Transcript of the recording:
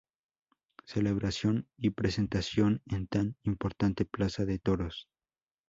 Celebración y presentación en tan importante plaza de toros.